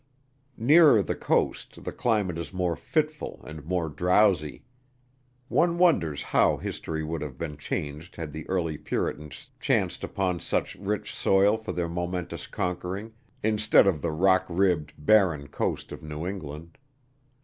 Nearer the coast the climate is more fitful and more drowsy. One wonders how history would have been changed had the early Puritans chanced upon such rich soil for their momentous conquering, instead of the rock ribbed, barren coast of New England.